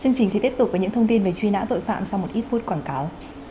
chương trình sẽ tiếp tục với những thông tin về truy nã tội phạm sau một ít phút quảng cáo